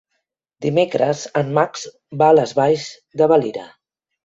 Dimecres en Max va a les Valls de Valira.